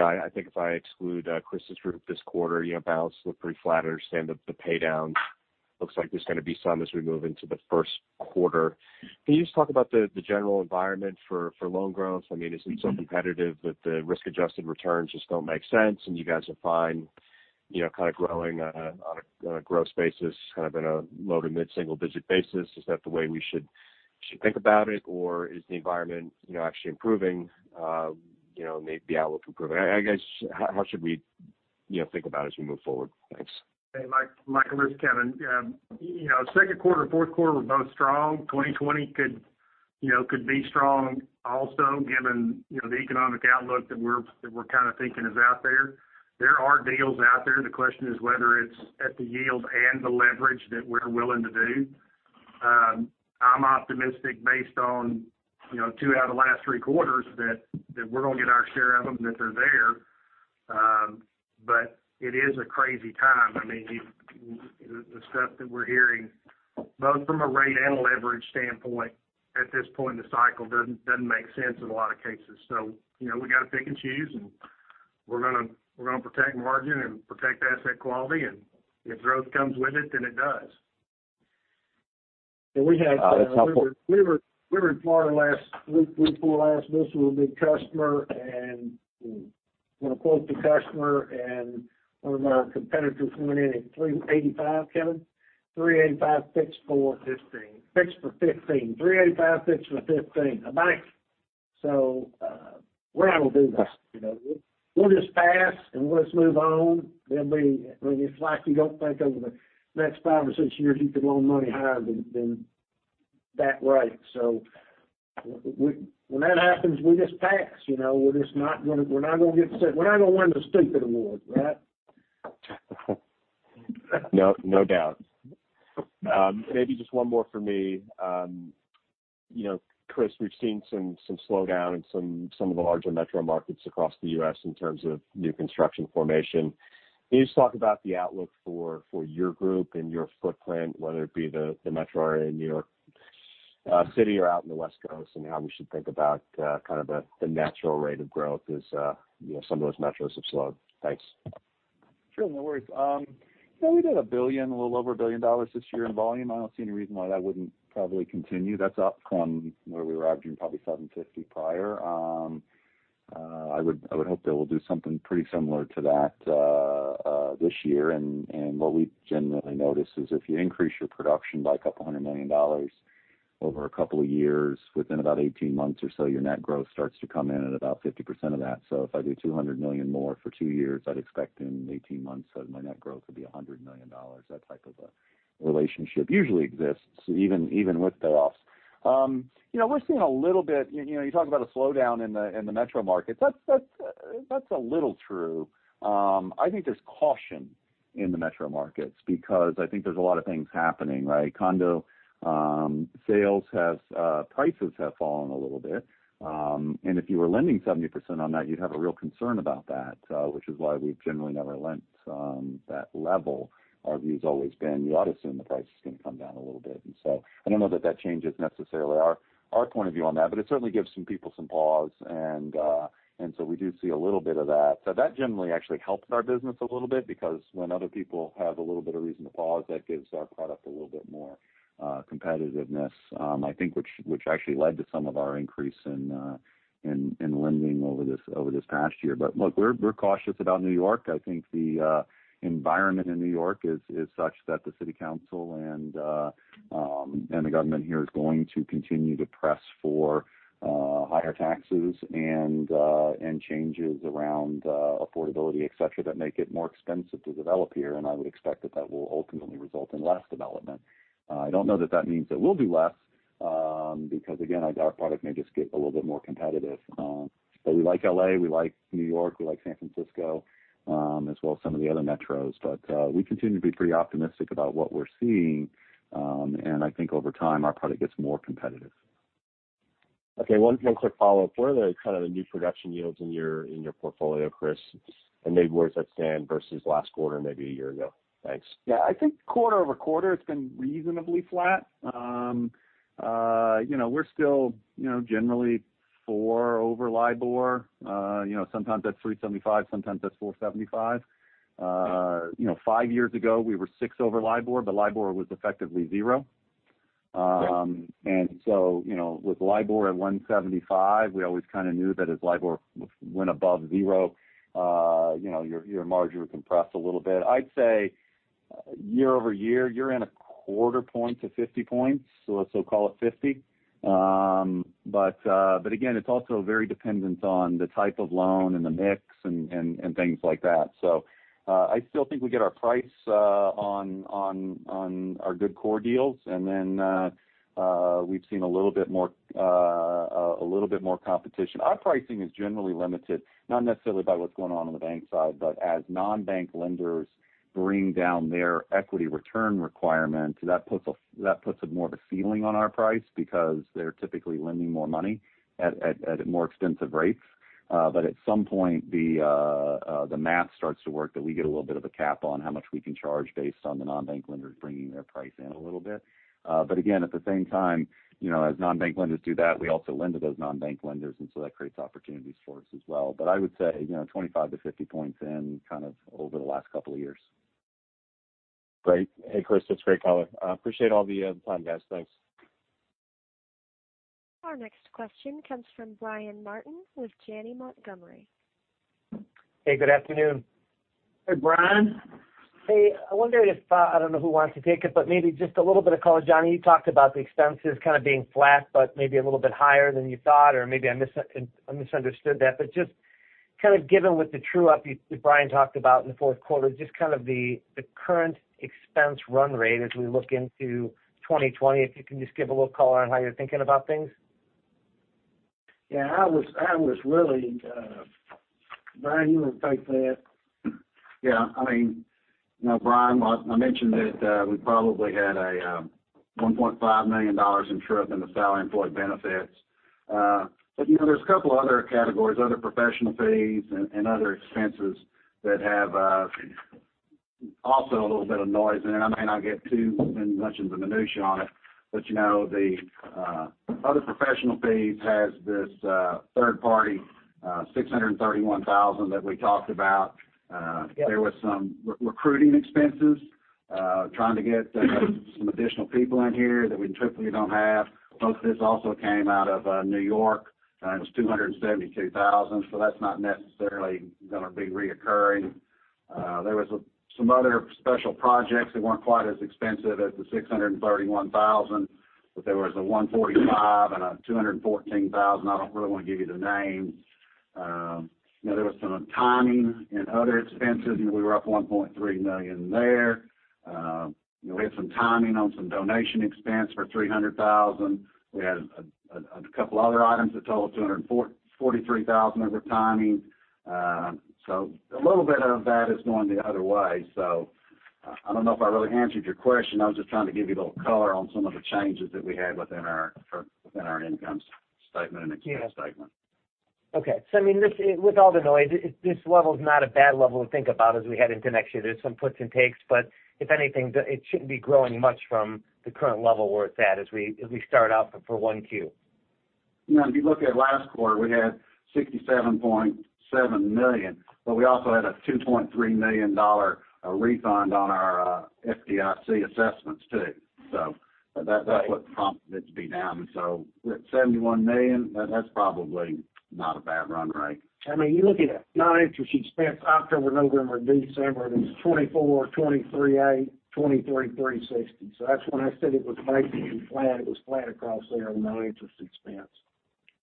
I think if I exclude Chris's group this quarter, balance looked pretty flat. I understand the pay down looks like there's going to be some as we move into the first quarter. Can you just talk about the general environment for loan growth? Is it so competitive that the risk-adjusted returns just don't make sense and you guys are fine kind of growing on a growth basis kind of in a low- to mid-single digit basis? Is that the way we should think about it, or is the environment actually improving, maybe outlook improving? How should we think about as we move forward? Thanks. Hey, Mike. Mike, it's Kevin. Second quarter, fourth quarter were both strong. 2020 could be strong also, given the economic outlook that we're kind of thinking is out there. There are deals out there. The question is whether it's at the yield and the leverage that we're willing to do. I'm optimistic based on two out of the last three quarters that we're going to get our share of them, that they're there. It is a crazy time. I mean, the stuff that we're hearing, both from a rate and a leverage standpoint at this point in the cycle doesn't make sense in a lot of cases. We got to pick and choose, and we're going to protect margin and protect asset quality, and if growth comes with it, then it does. We were in Florida last week before last, visiting with a big customer, and we're going to quote the customer, and one of our competitors came in at 385, Kevin? 385 fixed for 15. Fixed for 15. 385 fixed for 15, a bank. We're not going to do that. We'll just pass and let's move on. It's like you don't think over the next five or six years you could loan money higher than that rate. When that happens, we just pass. We're not going to win the stupid award, right? No doubt. Maybe just one more for me. Chris, we've seen some slowdown in some of the larger metro markets across the U.S. in terms of new construction formation. Can you just talk about the outlook for your group and your footprint, whether it be the metro area in New York City or out in the West Coast, and how we should think about kind of the natural rate of growth as some of those metros have slowed. Thanks. Sure. No worries. We did $1 billion, a little over $1 billion this year in volume. I don't see any reason why that wouldn't probably continue. That's up from where we were averaging probably $750 million prior. I would hope that we'll do something pretty similar to that this year. What we generally notice is if you increase your production by a couple hundred million dollars over a couple of years, within about 18 months or so, your net growth starts to come in at about 50% of that. If I do $200 million more for two years, I'd expect in 18 months that my net growth would be $100 million. That type of a relationship usually exists, even with payoffs. We're seeing a little bit. You talk about a slowdown in the metro markets. That's a little true. I think there's caution in the metro markets because I think there's a lot of things happening, right. Condo sales prices have fallen a little bit. If you were lending 70% on that, you'd have a real concern about that, which is why we've generally never lent that level. Our view has always been you ought to assume the price is going to come down a little bit. I don't know that that changes necessarily our point of view on that, but it certainly gives some people some pause, and so we do see a little bit of that. That generally actually helps our business a little bit, because when other people have a little bit of reason to pause, that gives our product a little bit more competitiveness. I think which actually led to some of our increase in lending over this past year. Look, we're cautious about New York. I think the environment in New York is such that the city council and the government here is going to continue to press for higher taxes and changes around affordability, et cetera, that make it more expensive to develop here. I would expect that that will ultimately result in less development. I don't know that that means it will be less, because again, our product may just get a little bit more competitive. We like L.A., we like New York, we like San Francisco, as well as some of the other metros. We continue to be pretty optimistic about what we're seeing. I think over time, our product gets more competitive. Okay. One quick follow-up. Where are the kind of the new production yields in your portfolio, Chris, and maybe where does that stand versus last quarter and maybe a year ago? Thanks. Yeah. I think quarter-over-quarter, it's been reasonably flat. We're still generally four over LIBOR. Sometimes that's 375, sometimes that's 475. Five years ago, we were six over LIBOR, but LIBOR was effectively zero. Right. With LIBOR at 175, we always kind of knew that as LIBOR went above zero, your margin would compress a little bit. Year-over-year, you're in a quarter point to 50 points, so let's so-call it 50. It's also very dependent on the type of loan and the mix and things like that. I still think we get our price on our good core deals. We've seen a little bit more competition. Our pricing is generally limited, not necessarily by what's going on in the bank side, but as non-bank lenders bring down their equity return requirement, that puts more of a ceiling on our price because they're typically lending more money at more extensive rates. At some point, the math starts to work that we get a little bit of a cap on how much we can charge based on the non-bank lenders bringing their price in a little bit. Again, at the same time, as non-bank lenders do that, we also lend to those non-bank lenders, and so that creates opportunities for us as well. I would say, 25-50 points in kind of over the last couple of years. Great. Hey, Chris, it's great color. Appreciate all the time, guys. Thanks. Our next question comes from Brian Martin with Janney Montgomery. Hey, good afternoon. Hey, Brian. Hey, I wonder if, I don't know who wants to take it, but maybe just a little bit of color, Johnny, you talked about the expenses kind of being flat but maybe a little bit higher than you thought, or maybe I misunderstood that, but just kind of given what the true up that Brian talked about in the fourth quarter, just kind of the current expense run rate as we look into 2020. If you can just give a little color on how you're thinking about things. Yeah, Brian, you want to take that? Yeah. Brian, I mentioned that we probably had a $1.5 million in true-up in the salary employed benefits. There's a couple of other categories, other professional fees and other expenses that have also a little bit of noise in it. I may not get too in much into the minutia on it, but the other professional fees has this third party, 631,000 that we talked about. Yep. There was some recruiting expenses, trying to get some additional people in here that we typically don't have. Most of this also came out of New York. It was $272,000, that's not necessarily going to be recurring. There was some other special projects that weren't quite as expensive as the $631,000. There was a $145,000 and a $214,000. I don't really want to give you the names. There was some timing and other expenses. We were up $1.3 million there. We had some timing on some donation expense for $300,000. We had a couple other items that total $243,000 over timing. A little bit of that is going the other way. I don't know if I really answered your question. I was just trying to give you a little color on some of the changes that we had within our income statement and expense statement. With all the noise, this level's not a bad level to think about as we head into next year. There's some puts and takes, but if anything, it shouldn't be growing much from the current level where it's at, as we start out for 1Q. If you look at last quarter, we had $67.7 million, but we also had a $2.3 million refund on our FDIC assessments, too. That's what prompted it to be down. At $71 million, that's probably not a bad run rate. You look at non-interest expense, October, November, December, it was $24, $23.8, $23.6. That's when I said it was basically flat. It was flat across there on non-interest expense.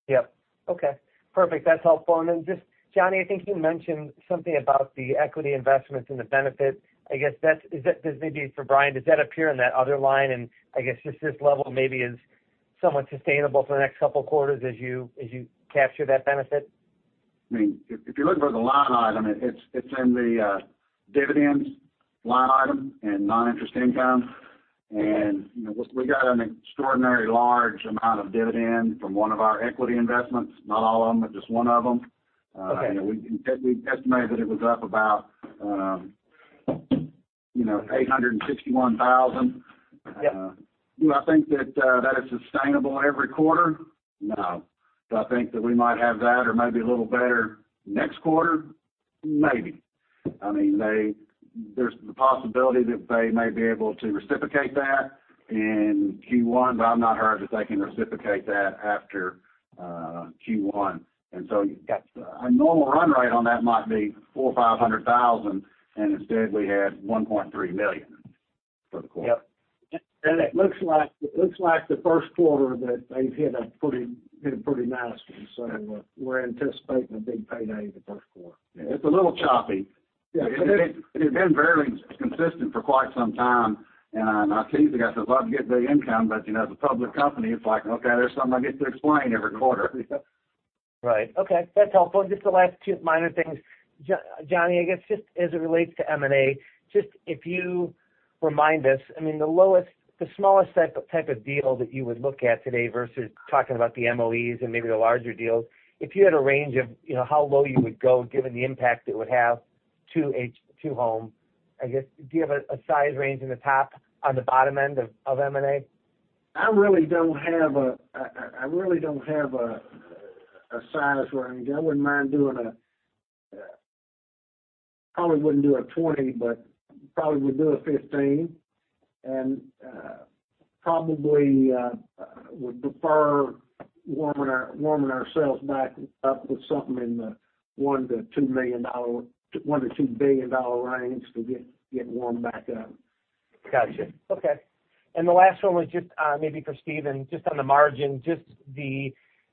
Yep. Okay. Perfect. That's helpful. Then just, Johnny, I think you mentioned something about the equity investment and the benefit. I guess that's, maybe for Brian, does that appear in that other line? I guess just this level maybe is somewhat sustainable for the next couple of quarters as you capture that benefit. If you're looking for the line item, it's in the dividends line item and non-interest income. We got an extraordinarily large amount of dividend from one of our equity investments, not all of them, but just one of them. Okay. We estimated that it was up about $861,000. Yep. Do I think that is sustainable every quarter? No. Do I think that we might have that or maybe a little better next quarter? Maybe. There's the possibility that they may be able to reciprocate that in Q1, but I've not heard that they can reciprocate that after Q1. You've got a normal run rate on that might be $400,000 or $500,000, and instead we had $1.3 million for the quarter. Yep. It looks like the first quarter that they've hit a pretty nice one. We're anticipating a big payday the first quarter. Yeah, it's a little choppy. Yeah. It had been very consistent for quite some time, and I tease the guys, I'd love to get big income, but as a public company, it's like, okay, there's something I get to explain every quarter. Just the last two minor things. Johnny, I guess just as it relates to M&A, just if you remind us, the smallest type of deal that you would look at today versus talking about the MOEs and maybe the larger deals. If you had a range of how low you would go given the impact it would have to Home, I guess, do you have a size range in the top on the bottom end of M&A? I really don't have a size range. I wouldn't mind doing. Probably wouldn't do a 20, but probably would do a 15. Probably would prefer warming ourselves back up with something in the $1 billion to $2 billion range to get warm back up. Gotcha. Okay. The last one was just maybe for Stephen, just on the margin.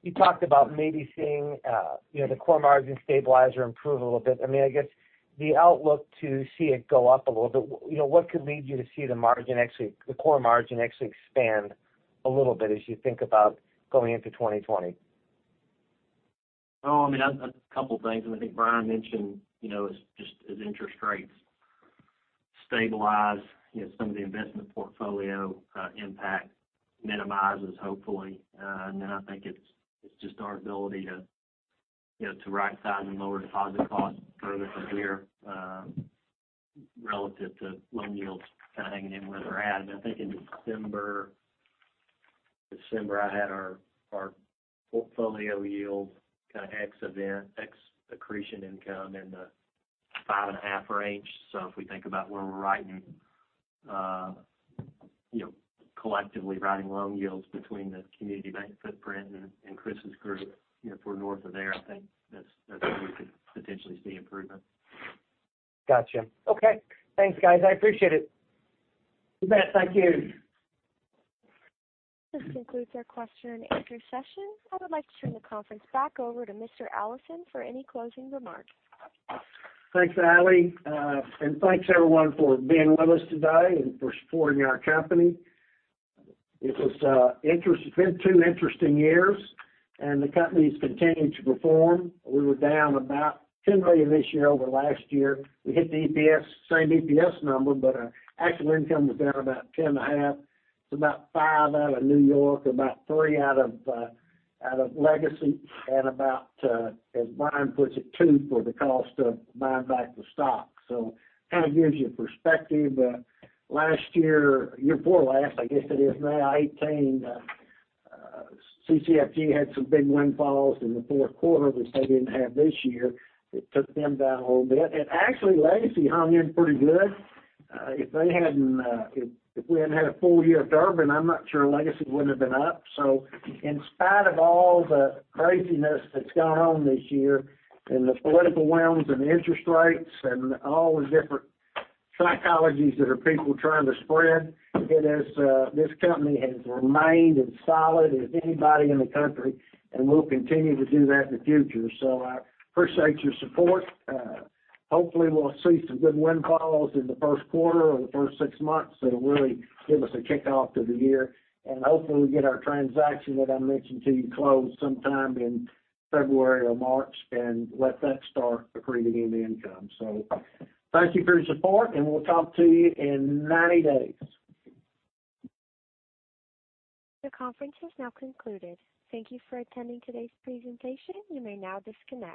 You talked about maybe seeing the core margin stabilizer improve a little bit. I guess the outlook to see it go up a little bit, what could lead you to see the core margin actually expand a little bit as you think about going into 2020? A couple things, and I think Brian mentioned, as interest rates stabilize, some of the investment portfolio impact minimizes, hopefully. I think it's just our ability to right-size and lower deposit costs further from here, relative to loan yields kind of hanging in where they're at. I think in December, I had our portfolio yield kind of ex event, ex accretion income in the 5.5 range. If we think about where we're collectively riding loan yields between the community bank footprint and Chris's group, if we're north of there, I think that's where we could potentially see improvement. Gotcha. Okay. Thanks, guys. I appreciate it. You bet. Thank you. This concludes our question and answer session. I would like to turn the conference back over to Mr. Allison for any closing remarks. Thanks, Ailey. Thanks everyone for being with us today and for supporting our company. It's been two interesting years, and the company's continued to perform. We were down about $10 million this year over last year. We hit the same EPS number, but actual income was down about 10 and a half. It's about five out of New York, about three out of Legacy, and about, as Brian puts it, two for the cost of buying back the stock. Kind of gives you perspective. Last year before last, I guess it is now, 2018, CCFG had some big windfalls in the fourth quarter, which they didn't have this year. It took them down a little bit. Actually, Legacy hung in pretty good. If we hadn't had a full year of Durbin, I'm not sure Legacy wouldn't have been up. In spite of all the craziness that's gone on this year and the political winds and interest rates and all the different psychologies that are people trying to spread, this company has remained as solid as anybody in the country and will continue to do that in the future. I appreciate your support. Hopefully, we'll see some good windfalls in the first quarter or the first six months that'll really give us a kickoff to the year. Hopefully we get our transaction that I mentioned to you closed sometime in February or March and let that start accreting in the income. Thank you for your support, and we'll talk to you in 90 days. The conference has now concluded. Thank you for attending today's presentation. You may now disconnect.